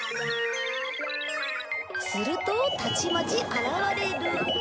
するとたちまち現れる。